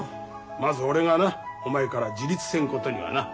まず俺がなお前から自立せんことにはな。